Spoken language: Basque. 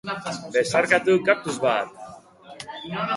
Besarkatu kaktus bat!